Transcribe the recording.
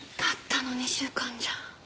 たったの２週間じゃ。